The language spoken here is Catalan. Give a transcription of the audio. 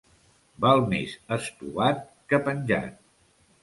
Val més estovat que penjat.